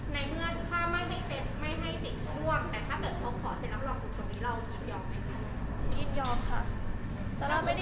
ในเมื่อถ้าไม่ให้เสร็จไม่ให้ติดร่วมแต่ถ้าเกิดเขาขอเสร็จรับรองกลุ่มตรงนี้เรายินยอมไหมคะ